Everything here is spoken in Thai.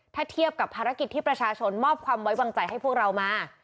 ถ้าเทียบกับภารกิจที่ประชาชนมอบความไว้วางใจให้พวกเรามา